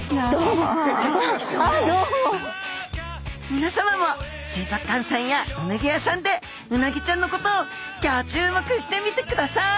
みなさまも水族館さんやうなぎ屋さんでうなぎちゃんのことをギョ注目してみてください！